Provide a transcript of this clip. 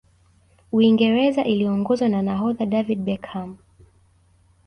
uingereza iliongozwa na nahodha david beckham